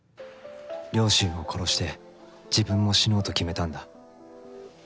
両親を殺して自分も死のうと決めたんだ。